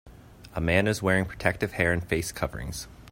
A man is wearing protective hair and face coverings.